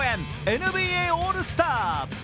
ＮＢＡオールスター。